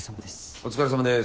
お疲れさまです。